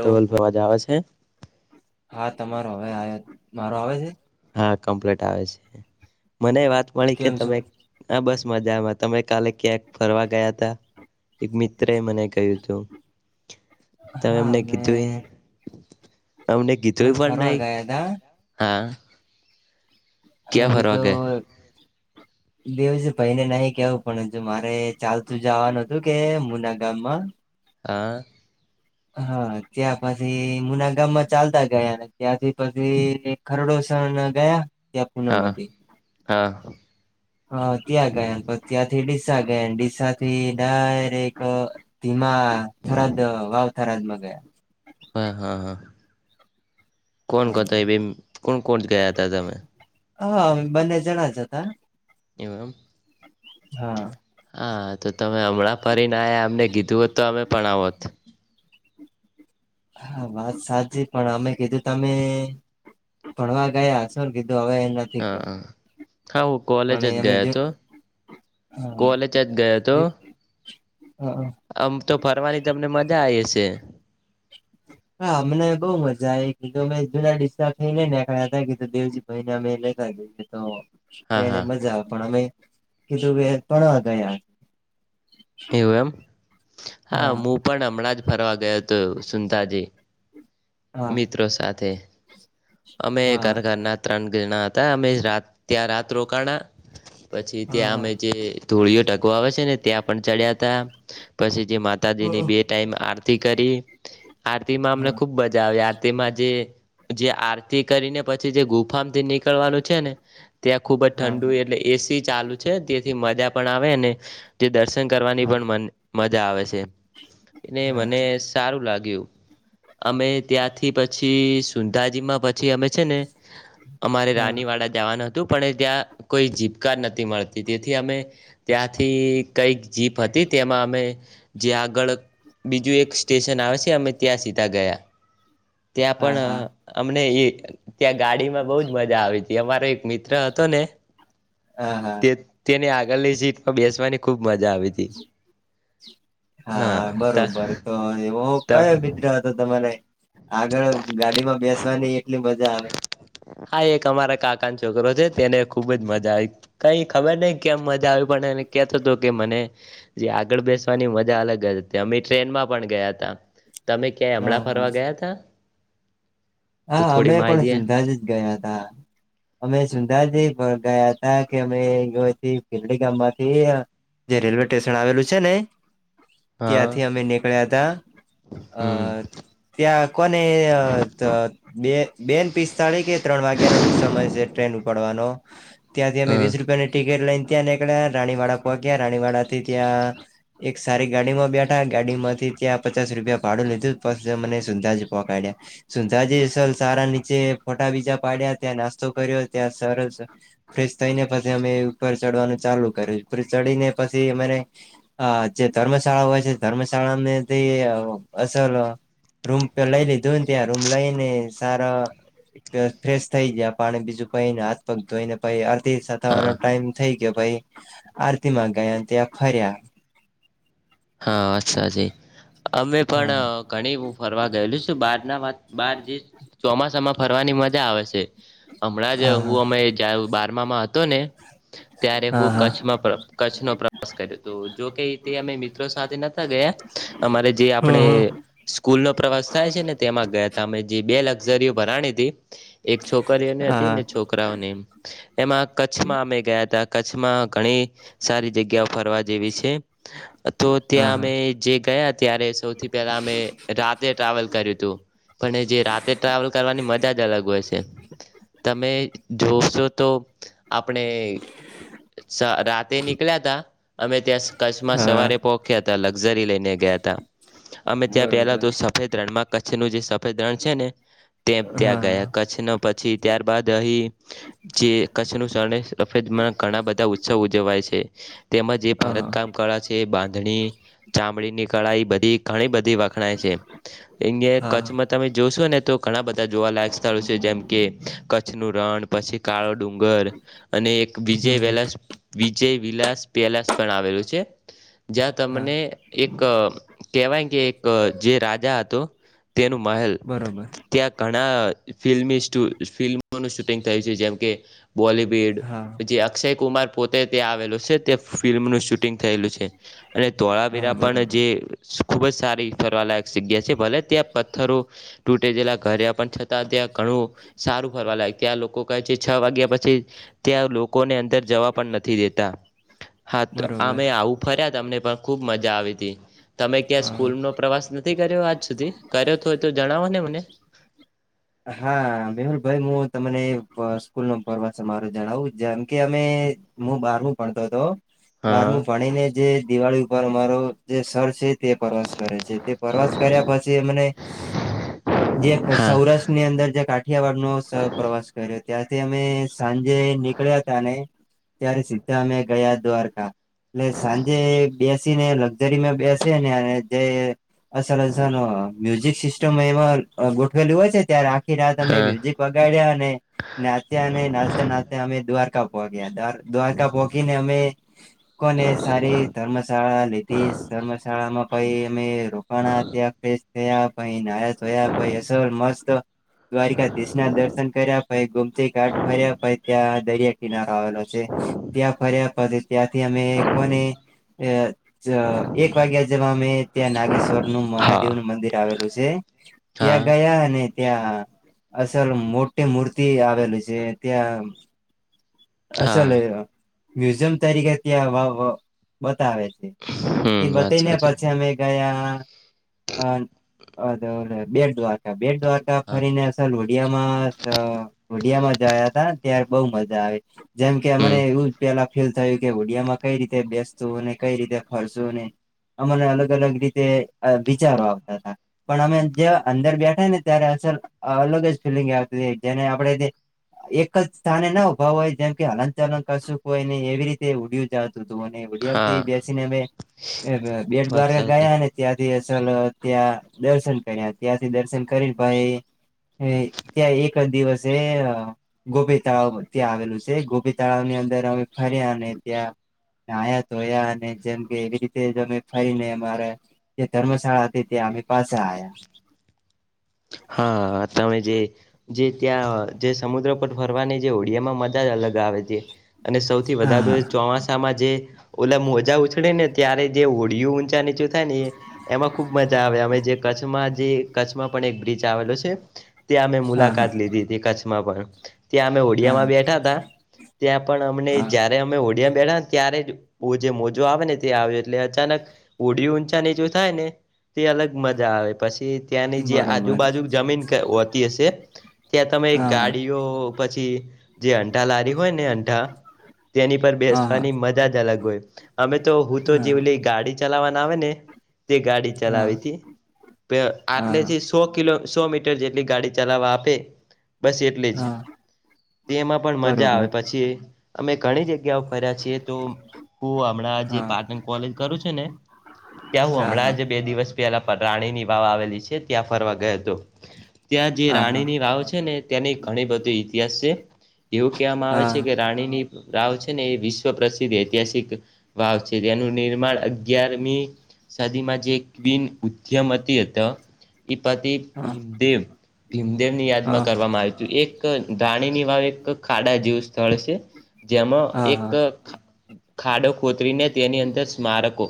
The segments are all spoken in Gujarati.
તો વલ્ફ અવાજ આવે છે હા તમારો હવે આયો મારો આવે છે. હા કમ્પ્લેટ આવે છે મને વાત મળી કે કેમ છો તમે આ બસમાં જ તમે કાલે ક્યાંક ફરવા ગયા તા. એક મિત્ર એ મને કહ્યું હતું તમે હા એમને અમે કીધું એ. અમને અમે કીધું પણ ફરવા નઈ ગયા તા હા. અમે ક્યાં ફરવા ગયા કીધું બેજ ભાઈને નહી કેવું પણ હજુ મારે ચાલતું જવાનું હતું કે મુના ગામમાં. હા. હા ત્યાં પછી મુના ગામમાં ચાલતા ગયા ત્યાંથી પછી ખરડો ચાર ના ગયા. ત્યાં પૂનમ હા હા હા ત્યાં ગયા ને પછ ત્યાંથી ડીસા ગયા ડીસા થી ડાયરેક અ ધીમા હા થરાદ વાવ થરાદમાં ગયા. હા હા હા કોણ કતો એ બે કોણ કોણ ગયા તા તમે. હા બંને જણા જ હતા. એઉ એમ. હા. હા તો તમે હમણાં ફરીને અમને કીધું હોત તો અમે પણ આવોત. હા વાત સાચી પણ અમે કીધું તમે ભણવા ગયા હશો ને કી તો હવે એ નથી હા કેઉ. હા હા હું કોલેજ પણ જ એમે ગયો જો હતો હા કોલેજ જ ગયો હતો જે હા આમ તો ફરવાની તમને મજા આઈ હશે. [inaudible] હા અમને બઉ મજા આઈ જો અમે જુના ડિસા થઈને નેકળ્યા હતા કે દેવજી ભાઈ ને અમે લેતા દેખે તો. હા એને હા મજા પણ અમે કીધું કે ભણવા ગયા. એવું એમ હા મુપણ હમણાં જ ફરવા ગયો હતો સૂંધાજી. હા મિત્રો સાથે. અમે ઘર હા ઘરના ત્રણ ઘરના હતા અમે રાત ત્યાં રાત રોકાણા. પછી ત્યાં હા અમે જે ધૂળીયો ઢગો આવે છે ને ત્યાં પણ ચડ્યાતા પછી જે માતાજીની બે ટાઈમ આરતી કરી આરતી માં અમને ખુબ મજા આવી આરતીમાં જે જે આરતી કરીને પછી જે ગુફામથી નીકળવાનું છે ને ત્યાં ખુબ જ હા હા હા હા હા ઠંડુ એટલે એસી ચાલુ છે તેથી મજા પણ આવેને તે દર્શ ન કરવાની પણ મન મજા આવે છે એટલે હા હા મને સારું લાગ્યું. અમે ત્યાંથી પછી સુંંઢાજી માં પછી અમે છે ને અમારે રાનીવાડા જાવાન હતું પણ એ ત્યાં કોઈ જીપકાર નથી મળતી તેથી અમે ત્યાંથી કંઈક જીપ હતી તેમાં અમે જ્યાં આગળ બીજું એક સ્ટેશન આવે છે અમે ત્યાં સીધા ગયા. [inaudible] ત્યાં પણ હા હા અમને એ ત્યાં ગાડીમાં બહુજ મજા આવી. તે મારો એક મિત્ર હતો ને હા તે તેને આગળની સીટમાં બેસવાની ખૂબ મજા આવી તી. હા બરોબર તો એવો કયો ત મિત્ર હતો તમારે આગળ ગાડી માં બેસવાની એટલી મજા આવે. હા એક અમારા કાકાનોછોકરો છે તેને ખુબ જ મજા આવી કઈ ખબર નઈ કેમ મજા આવી પણ અને કેતો હતો કે મને જે આગળ બેસવાની મજા અલગ જ હતી અમે ટ્રેનમાં પણ ગયા હતા તમે ક્યાંય હા હમણાં હા ફરવા ગયા તા તો હા અમે થોડી પણ માહિતી સુંંધાજી જ ગયા હતાા અમે સુંંધાજી ગયા હતા કે અમે [unintelligible] ગામમાંથી જે રેલ્વે સ્ટેશન આવેલું છે ને હા ત્યાંથી અમે નીકળ્યા હતા અ હમ ત્યાં કોને અ ત બેન પિસ્તાળી કે ત્રણ વાગ્યાનો સમય છે ટ્રેન ઉપાડવાનો ત્યાંથી અમે હા વીસ રૂપિયાની ટિકિટ લઈને ત્યાં નીકળ્યા રાણીવાડા પહોંચ્યા રાણીવાડાથી ત્યાં એક સારી ગાડી માં બેઠા ગાડીમાંથી ત્યાં પચાસ રૂપિયા ભાડું લીધું પછી અમને સૂંઠજી પહંકાડી સૂંધાજી સારા નીચે ફોટા બીજા પાડ્યા ત્યાં નાસ્તો કર્યો ત્યાં સરસ ફેશ થઈને પછી અમે ઉપર ચડવાનું ચાલુ કર્યું ઉપર ચડીને પછી અમારે અ જે ધર્મશાળા હોય છે ધર્મશાળાનાથી અસલ રૂમ લઈ લીધૂને ત્યાં રૂમ લઈ ને સારા ફ્રેશ થઈ ગયા પાણી બીજું ખાઈને હાથ પગ ધોઈને પઇ તે હા સતાવવાનો ટાઈમ થઈ ગયો પઇ આરતીમાં ગયાને ત્યાં ફર્યા હા અચ્છાજી અમે પણ ઘણી હું ફરવા ગયેલું છું બાર બારના વાતા બાર જે ચોમાસામાં ફરવાની મજા આવે છે હમણાં જ હા હું અમે જ્યારે બારમામાં હતો ને ત્યારે હા હા હું કચ્છમાં પ્ર કચ્છનો પ્રવાસ કર્યો હતો જોકે તે અમે મિત્રો સાથે નતા ગયા અમારે જે આપણે હા સ્કૂલનો પ્રવાસ થાય છે ને તેમાં ગયા ત અમે જે બે લકઝરીઓ ભરવાની હતી એક છોકરીઓની હા હતી છોકરાઓને એમાં કચ્છમા અમે ગયતા કચ્છમાં ઘણી સારી જગ્યા ફરવા જેવી છે તો ત્યાં હા અમે જે ગયા ત્યારે સૌથી પેલા અમે રાતે ટ્રાવેલ કર્યું પણ જે રાતે ટ્રાવેલ કરવાની મજા જ અલગ હોય છે તમે જોશો તો આપણે રાતે નીકળ્યા [unintelligible] તા અમે ત્યાં કચ્છમાં હા સવાર [unintelligible] લગઝરી લેને ગયા થા [unintelligible] અમે તો પેલા બરોબર ત્યાં સફેદ રણ માં કચ્છનું જે સફેદ રણ છે ને ત્યાં ગયા હા કચ્છના પછી ત્યારબાદ અહી જે કચ્છ ન શ સફેદ માં ઘણા બધા ઉત્સવ ઉજવાય છે તેમજ હા ભરતકામ કળા છે બાંધણી ચામડીની કળા એ બધી ઘણી બધી વખણાય છે અંગે હા કચ્છમાં તમે જોશો ને તો ઘણા બધા જોવાલાયક સ્થળો છે જેમ કે કચ્છનું રણ પછી કાળો ડુંગર અને એક બીજે હમ વેલા જે વિલાસ પેલાસ પણ આવેલું છે જ્યાં હા તમને એક કેહેવાય કે એક જે રાજા હતો તેનું મહેલ બરોબર ત્યાં ઘણા ફિલ્મી [unintelligible] ફિલ્મોનું શૂટિંગ થયું છે જેમ કે બોલીવુડ હા જે અક્ષય કુમાર પોતે ત્યાં આવેલું છે તે ફિલ્મનું શૂટિંગ થયેલું છે અને હા તોળાાવીરા પણ બરોબર જે ખુબ જ સારી ફરવાલાાયક જગ્યા છે ભલે ત્યાં પથ્થરો તૂટે ગલા ઘરે પણ ત્યાં ઘણું સારું ફરવા લાગે ત્યાં લોકો કહે છે છ વાગ્યા પછી ત્યાં લોકોને અંદર જવા પણ નથી દેતા હા તો આ બરોબર મે આવું ફર્યા તમને પણ ખુબ મજા આવી હતી તમે ક્યાં હા સ્કૂલ નો પ્રવાસ નથી કર્યો આજ સુધી કર્યો તો તો જણાવો ને મને [unintelligible] હા મેહુલ ભાઈ તને સ્કૂલ નો ફરવા મારો જણાવું જેમ કે અમે હું બારમું ભણતો હતો બારમું હા ભણીને જે દિવાળી ઉપર અમારો જે સર છે તે પ્રવાસ કરે છે તે પ્રવાસ કર્યા પછી એમને જે હા સૌરાષ્ટ્રની અંદર જે કાઠિયાવાડ નો પ્રવાસ કર્યો હતો ત્યાંથી અમે સાંજે નીકળ્યા તા ને ત્યારે સીધા અમે ગયા દ્વારકા એટલે સાંજે બેસી ને લક્ઝરીમાં બેસે ને અને જે અસલ અસલ મ્યુઝિક સિસ્ટમ એમાં ગોઠવેલ હોય છે ત્યારે આખી રાત અમે હા મ્યુઝિક વગાડ્યા અને નાચ્યા અને નાચતા નાચતે અમે દ્વારકા પહોં ગયા દ્વારકા દ્વારકા પોહખીને અમે કોને સારી ધર્મશાળા લીધી ધર્મ અમે રોકાણા ત્યા થયા પાઈ નાતયા પ અસ મસ્ત [unintelligible] દ્વારકાધીશ ના દર્શન કર્યા પછી ગુમતી ઘાટ ફર્યા પછી ત્યાં દરિયા કિનારો આવેલો છે ત્યાં ફર્યા પછી ત્યાંથી અમે કો ને વાગ્યા જવા મેમે ત્યાં નાગેશ્વર નું હા મહાદેવ નું મંદિર આવેલું છે હા ત્યાં ગયા અને ત્યાં અસલ મોટી મૂર્તિ આવેલું છે ત્યાં હા અસલ મ્યુઝિયમ [unintelligible] તરીકે ત્યાં વે છે એ હમ વાત બતાને સાચી પછી અમે ગયા બે દ [inaudible] બે દ્વારકા હા ફરીને અસલ લોઢિયા માં [unintelligible] લોુઢિયામાં જયા ત ત્યારે બઉુ મજા આવે જેમ કે અમને હમ એવું પેલા ફીલ થયું કે હુડિયા માં કઈ રીતે બેસતું ને કઈ રીતે ફરસું ને અમને અલગ અલગ રીતે વિચારો આવતા હતા પણ અમે જ્યાં અંદર બેઠા ને ત્યાં અ અલગ જ ફિલિંગ આવતી જેને આપણેે જે એક જ સ્થાને ના ઉભા હોય જેમ કે હલન ચલન કરશું કોઈ નને એવી રીતે ઉડય્યું જતું હા ડમથી બેસીને અમે બેટ વાત દ્વારકા સાચી ગયા ને ત્યાંથી ચાલો ત્યાં દર્શન કર્યા ત્યાંથી દર્શન કરીને ભાઈ ત્યાં એક જ દિવસે ગોપી તળાવ ત્યાં આવેલું છે ગોપી તળાવને અંદર અમે ફર્યા અને ત્યાં નાયા ધોયા અને જેમ કે એવી રીતે તે જ અમે ફરીને અમારા જે ધર્મશાળા હતી ત્યા અમે પાછા આયા હા તમે જે જે ત્યાં જે સમુદ્ર પર ફરવાની જે હોડિયામાં મજા અલગ આવે છે અને સૌથી વધારે તો એ ચોમાસામાં જે ઓલા મોજા ઉછળેને ત્યારે જે હોડિયું ઊંચા નીચું થાયને એમાં ખુબ મજા આવે અમેં જે કચ્છમાં જે કચ્છમાં પણ એક બ્રિજ આવેલો છે ત્યાં અમે હા હા મુલાકાત લીધી હતી કચ્છમાં પણ ત્યાં અમે હોડિયામાં બેઠા હતાા ત્યાં પણ અમને જયારે અમે હોડિયામાં બેઠા ત્યારે બઉ જે મોજો આવેને તે આવે એટલે અચાનક હોડિયું ઊંચા નીચું થાય ને તે અલગ મજા આવે પછી ત્યાંની જે આજુબાજુ જમીન હોતી હશે ત્યાં તમે ગાડીઓ પછી જે અંટાર લારી હોય ને અંટાર તેની પર બેસવાની મજા જ અલગ હોય અમે તો હું તો હા જેવલી ગાડી ચલાવવાના આવે ને તે ગાડી હા ચલાવીથી આટલે થી સો કિલો સો મીટર જેટલી ગાડી ચલાવા આપે બસ એટલે જ હા તેમાં પણ મજા આવે બરોબર પછી અમે ઘણી જગ્યાઓ ફર્યા છીએ તો હું હમણાં જે હા પાટણ કોલેજ કરું છે ને ત્યાં હું હા હા હા હા હા બરોબર હા હા હમણાં હા જ બે દિવસ પેલા રાણીની વાવ આવેલી છે ત્યાં ફરવા ગયો હતો ત્યાં જે હા રાણીની વાવ છે ને ત્યાંની ઘણી બધી ઇતિહાસ છે એવું કહેવામાં આવે છે કે રાણીની વાાવ છે ને એ વિશ્વ પ્રસિદ્ધ ઐતિહાસિક વાવ છે તેનું નિર્માણ અગિયારમી સદીમા જે ક્વીિન ઉધ્યમ [unintelligible] પતિ હા ભીમદેવ ભીમદેવની યાદમાં હા કરવામાં આવ્યું હતું એક રાણીની વાવ એક ખાડા જેવું સ્થળ છે જેમાં હા એક ખાડો ખોતરીને તેની અંદર સ્મારકો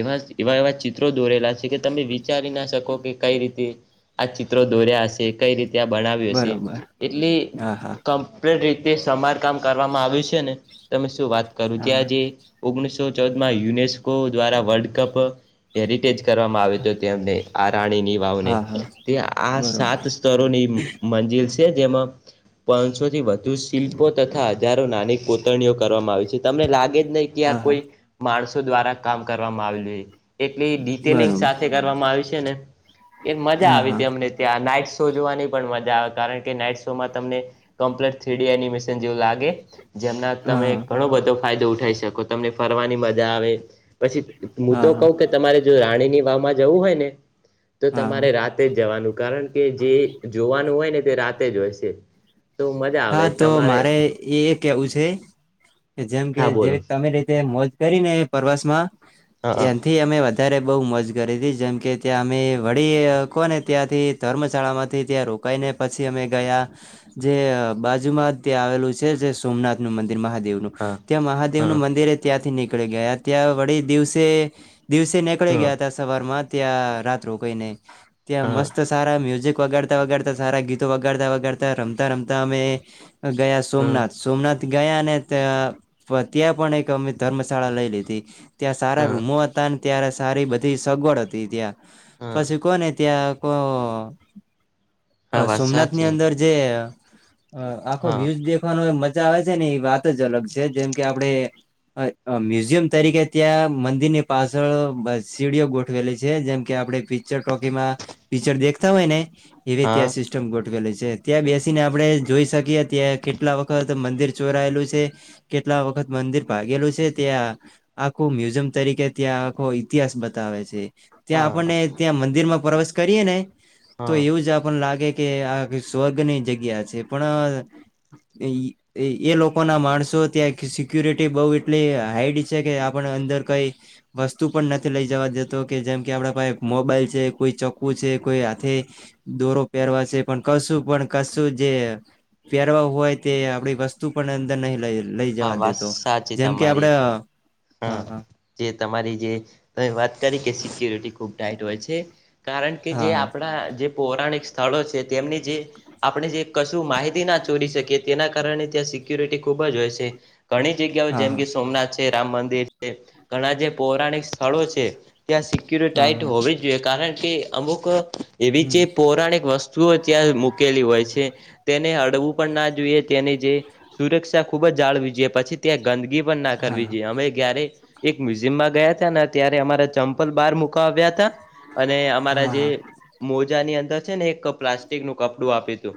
એવા એવા એવા ચિત્રો દોરેલા છે કે તમે વિચારીના શકો કે કઈ રીતે આ ચિત્રો દોર્યા હશે કઈ રીતે ત્યાં બનાવ્યું છે બરોબર એટલે હા હા કમ્પ્લીટ રીતે તે સમારકામ કરવામાં આવ્યું છે ને તમે શું વાત કરો હા ત્યાં જે ઓગણીસો સો ચૌદમાં યુનેસ્કો દ્વારા વર્લ્ડ કપ હેરિટેજ કરવામાં આવે તો તેમને આ રાણીની ઓ ને હા હા તે આ બરોબર સાત સ્તરોની મંજિલ છે જેમાં પાંચસો થી વધુ શિલ્પો તથા હજારો નાની પોતરણીઓ કરવામાં આવી છે તમને લાગે નહી કે આ હા હા કોઈ માણસો દ્વારા કામ કરવામાં આવેલું. એટલી ડિટેલિંગ બરોબર સાથે કરવામાં આવી છે ને એ મજા હા આવી હા હતી અમને ત્યાં નાઈટ શો જોવાની પણ મજા આવે કારણ કે નાઈટ શોમાં તમને કમ્પ્લેટ થ્રીડી એનિમેશન પણ જેવું લાગે જેમના હા તમે ઘણો બધો ફાયદો ઉઠાઈ શકો તમને ફરવાની મજા આવે પછી હું તો હા હા કઉ કે તમારે જો રાણીની વાવમાં જવું હોય ને તો હા તમારે રાતે જ જવાનું કારણ કે જે જોવાનું હોય ને તે રાતે જ હોય છે. તો મજા હા આવે તો તમારે મારે એ કેવું છે કે જેમ કે હા જે બોલો તમે રીતે મોજ કરી ને પ્રવાસમાં હા હા એથી અમે વધ વધારે અત્યારે બહુ મજ કરી હતી જેમ કે ત્યાં અમે વળી કો ને ત્યાંથી ધર્મશાળામાંથી ત્યાં રોક કઈને પછી અમે ગયા જે બાજુમાં તેં આવેલું છે જે સોમનાથનું મંદિર મહાદેવનું હા ત્યાં મહાદેવનું હા મંદિર એ ત્યાંથી નીક નીકળી ગયા ત્યા વડી દિવસે દિવસે નેકડી હા ગયા હતા સવારમાં ત્યાં રાત રોકાઈને ત્યાં હા મસ્ત સારા મ્યુઝિક વગાડતા વગાડતા સારા ગીતો વગાડતા વગાડતા રમતા રમતા અમે ગયા હા સોમનાથ સોમનાથ ગયા ને ત ત્યાં પણ એક અમે ધર્મશાળા લઈ લીધી. ત્યાં સારા રૂમો હતા ત્યારે સારી બધી સગવડ હતી ત્યાં હા પછી કોને ત્યાં હા અ વાત સોમનાથ ની સાચી અંદર જે હ આખો હા વ્યૂઝ દેખવાનો મજા આવે છે ને એ વાત જ અલગ છે જેમ કે આપડે મ્યુઝિયમ તરીકે ત્યાં મંદિર ની પાછળ સીડીઓ ગોઠવેલી છે જેમ કે આપડે પિક્ચર ટ્રોકીમાં પિક્ચર દેખતા હોય ને એવી ત્યાં હા સિસ્ટમ ગોઠવેલ છે ત્યાં બેસીને આપડે જોઈ શકીએ ત્યાં કેટલા વખત મંદિર ચોરાયેલું છે કેટલા વખત મંદિર ભાગેલું છે ત્યાં ત્યા આખું મ્યુઝિયમ તરીકે ત્યાં આખો ઇતિહાસ બતાવે છે. ત્યાં હા આપણને ત્યાં મંદિર માં પ્રવેશ કરીએ ને તો હા એવું જ આપને લાગે કે આ સ્વર્ગની જગ્યા છે. પણ એ લોકો ના માણસો ત્યાં સિક્યુરિટી બહુ એટલી હાઈડ છે કે આપણે અંદર કઈ વસ્તુ પણ નથી લઈ જવા દેતો કે જેમ કે આપડા પાહે મોબાઈલ છે કોઈ ચક્કું છે કોઈ હાથે દોરો પહેરવા છે પણ કશું પણ કશું જે પહેરવા હોય તે આપડી વસ્તુ પણ અંદર નહી લઈ લઈ હા જવા દે વાત તો સાચી જેમ કે તમારી આપડે હા હા જે તમારી જે તમે વાત કરી કે સિક્યોરિટી ખુબ ટાઈટ હોય છે કારણ કે જે હા આપણા જે પૌરાણિક સ્થળો છે તેમની જે આપણે જે કશું માહિતી ના ચોરી શકીએ તેના કારણે ત્યાં સિક્યોરિટી ખુબ જ હોય છે. ઘણી જગ્યાઓ હા હા જેમ કે સોમનાથ છે રામ મંદિર છે ઘણા જે પૌરાણિક સ્થળો છે. ત્યાં સિક્યુર હા ટાઈટ હા હોવી જ જોઈએ કારણ કે અમુક એવી જે હમ પૌરાણિક વસ્તુઓ ત્યાં મૂકેલી હોય છે. તેને અડવું પણ ના જોઈએ તેની જે સુરક્ષા ખૂબ જ જાળવી જોઈએ પછી ત્યાં ગંદગી પણ ના હા કરવી જોઈએ અમે ક્યારે એક મ્યુઝિયમ માં ગયા હતા ને ત્યારે અમારા ચંપલ બહાર મુક આવ્યા હતા. અને અમારા જે હા મોજા ની અંદર છે ને એક પ્લાસ્ટિક નું કપડું આપ્યું હતું.